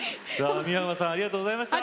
三山さんありがとうございました。